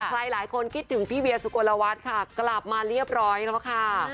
หลายคนคิดถึงพี่เวียสุโกลวัฒน์ค่ะกลับมาเรียบร้อยแล้วค่ะ